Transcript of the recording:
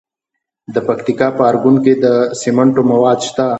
د پکتیکا په ارګون کې د سمنټو مواد شته.